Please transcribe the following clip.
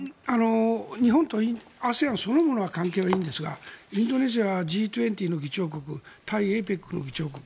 日本とＡＳＥＡＮそのものは関係はいいんですがインドネシア、Ｇ２０の議長国タイ、ＡＰＥＣの議長国。